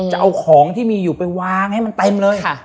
จะเอาของที่มีอยู่ไปวางให้มันเต็มเลย